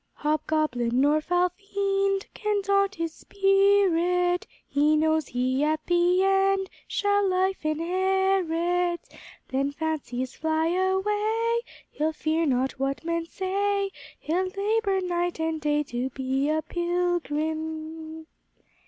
"Hobgoblin nor foul fiend Can daunt his spirit; He knows he at the end Shall life inherit. Then, fancies fly away, He'll fear not what men say; He'll labor night and day To be a pilgrim."